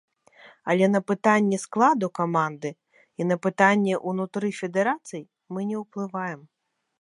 Але на пытанні складу каманды і на пытанні ўнутры федэрацый мы не ўплываем.